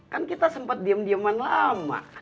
kan kita sempat diem dieman lama